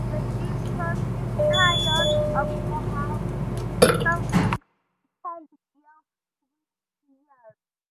The disposition of the house is something we can deal with next year.